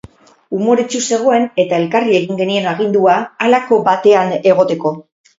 Umoretsu zegoen eta elkarri egin genion agindua, halako batean egotekoa.